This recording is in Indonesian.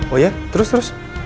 oh iya terus terus